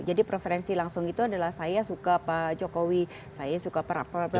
jadi preferensi langsung itu adalah saya suka pak jokowi saya suka pak blablabla